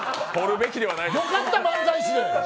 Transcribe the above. よかった、漫才師で。